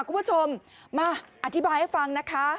คุณผู้ชมมาอธิบายให้ฟังนะคะ